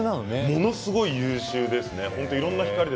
ものすごく優秀です。